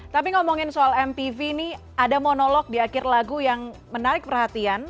tapi ngomongin soal mpv ini ada monolog di akhir lagu yang menarik perhatian